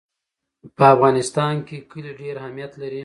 په افغانستان کې کلي ډېر اهمیت لري.